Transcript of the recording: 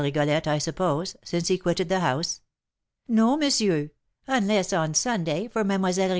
Rigolette, I suppose, since he quitted the house?" "No, monsieur; unless on Sunday, for Mlle.